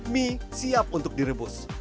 mie siap untuk direbus